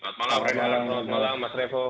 selamat malam mas revo